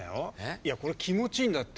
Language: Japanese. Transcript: いやこれきもちいいんだって。